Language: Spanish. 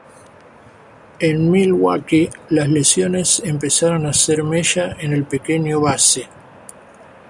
En Milwaukee las lesiones empezaron a hacer mella en el pequeño base.